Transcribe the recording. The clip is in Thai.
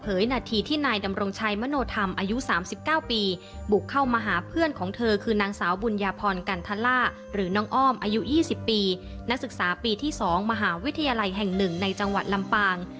นาทีที่นายดำรงชัยมโนธรรมอายุ๓๙ปีบุกเข้ามาหาเพื่อนของเธอคือนางสาวบุญญาพรกันทล่าหรือน้องอ้อมอายุ๒๐ปีนักศึกษาปีที่๒มหาวิทยาลัยแห่ง๑ในจังหวัดลำปาง